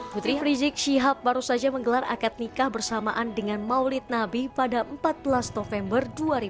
putri rizik syihab baru saja menggelar akad nikah bersamaan dengan maulid nabi pada empat belas november dua ribu dua puluh